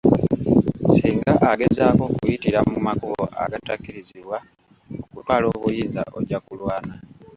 Singa agezaako okuyitira mu makubo agatakkirizibwa okutwala obuyinza ojja kulwana.